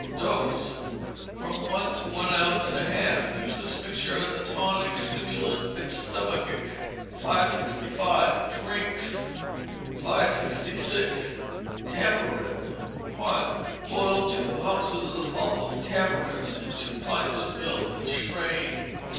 Dose, from one to one ounce and a half. Use this mixture as a tonic, stimulant, and stomachic. 565. Drinks. 566. Tamarind. (1) Boil two ounces of the pulp of tamarinds in two pints of milk, then strain.